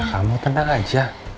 kamu tenang aja